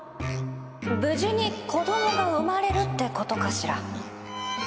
「無事に子供が生まれる」ってことかしら？